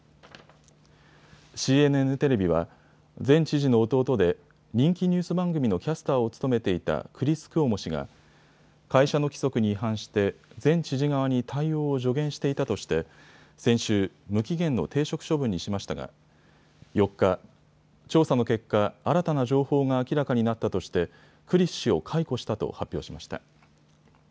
ＣＮＮテレビは前知事の弟で人気ニュース番組のキャスターを務めていたクリス・クオモ氏が会社の規則に違反して前知事側に対応を助言していたとして先週、無期限の停職処分にしましたが４日、調査の結果、新たな情報が明らかになったとしてクリス氏を解雇したと発表しました。